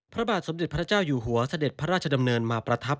พระบาทสมเด็จพระเจ้าอยู่หัวเสด็จพระราชดำเนินมาประทับ